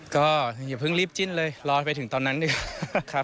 ก็อย่าเพิ่งรีบจิ้นเลยลอยไปถึงตอนนั้นดีครับ